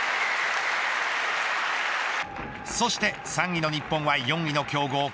そして３位の日本は４位の強豪